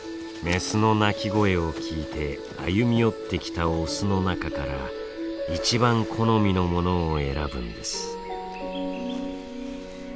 メスの鳴き声を聞いて歩み寄ってきたオスの中から一番好みのものを選ぶんです。